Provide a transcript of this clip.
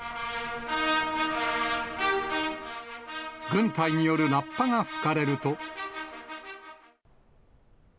軍隊によるラッパが吹かれると。